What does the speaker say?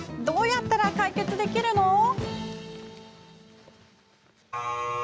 どうやったら解決できるの？